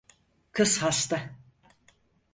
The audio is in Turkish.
Kız hasta.